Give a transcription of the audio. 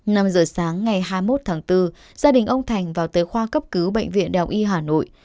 năm giờ sáng ngày hai mươi một tháng bốn gia đình ông thành vào tới khoa cấp cứu bệnh viện đèo y hà nội